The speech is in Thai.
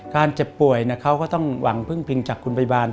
เจ็บป่วยเขาก็ต้องหวังพึ่งพิงจากคุณพยาบาล